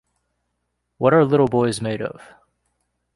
What Are Little Boys Made Of?